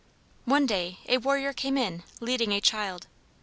One day a warrior came in, leading a child.